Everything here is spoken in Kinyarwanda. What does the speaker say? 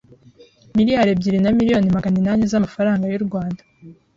miliyari ebyiri na miliyoni maganinani z’amafaranga y’u Rwanda